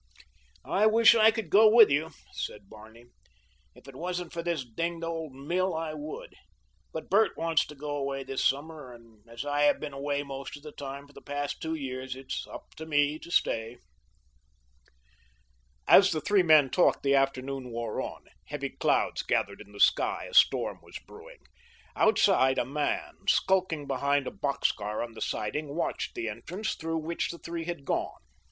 "I wish I could go with you," said Barney. "If it wasn't for this dinged old mill I would; but Bert wants to go away this summer, and as I have been away most of the time for the past two years, it's up to me to stay." As the three men talked the afternoon wore on. Heavy clouds gathered in the sky; a storm was brewing. Outside, a man, skulking behind a box car on the siding, watched the entrance through which the three had gone.